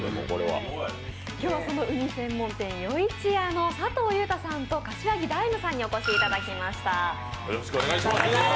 今日はうに専門店、世壱屋の佐藤勇太さんさんと柏木大夢さんにお越しいただきました。